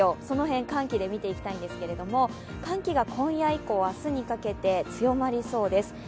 その辺、寒気で見ていきたいんですけど、寒気が今夜以降、明日にかけて強まりそうです。